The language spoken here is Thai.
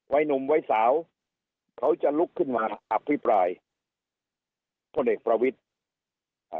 หนุ่มวัยสาวเขาจะลุกขึ้นมาอภิปรายพลเอกประวิทธิ์อ่า